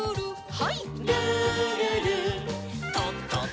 はい。